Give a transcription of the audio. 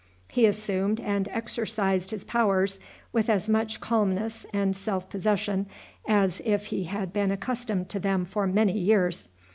He assumed and exercised his powers with as much calmness and self possession as if he had been accustomed to them for many years.